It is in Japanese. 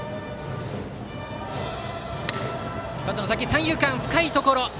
三遊間、深いところ。